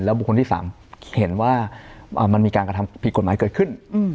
บุคคลที่๓เห็นว่ามันมีการกระทำผิดกฎหมายเกิดขึ้น